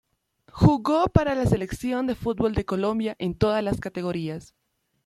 Jugó para la selección de fútbol de Colombia en todas las categorías.